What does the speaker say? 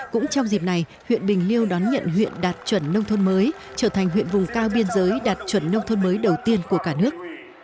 cũng trong dịp này huyện bình liêu đón nhận huyện đạt chuẩn nông thôn mới trở thành huyện vùng cao biên giới đạt chuẩn nông thôn mới đầu tiên của cả nước